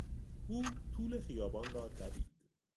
او طول خیابان را دوید.